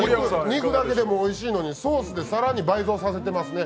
肉だけもおいしいのにソースで更に倍増させていますね。